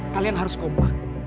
kalian harus kompak